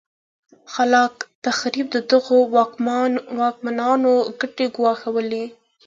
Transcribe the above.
خلا ق تخریب د دغو واکمنانو ګټې ګواښلې.